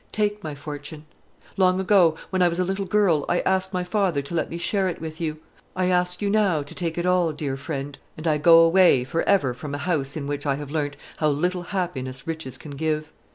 Take my fortune: long ago, when I was a little girl, I asked my father to let me share it with you. I ask you now to take it all, dear friend; and I go away for ever from a house in which I have learnt how little happiness riches can give.